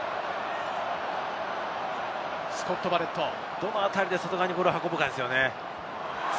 どのあたりで外側にボールを運ぶかですね。